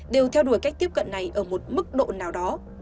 đều theo đuổi cách tiếp cận này ở một mức độ nào đó